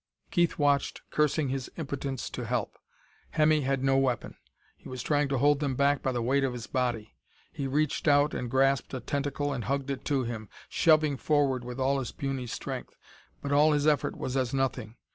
Keith watched, cursing his impotence to help. Hemmy had no weapon; he was trying to hold them back by the weight of his body; he reached out and grasped a tentacle and hugged it to him, shoving forward with all his puny strength. But all his effort was as nothing.